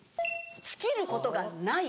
「尽きることが無い」。